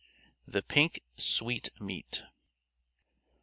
THE PINK SWEETMEAT.